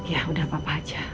ya udah papa aja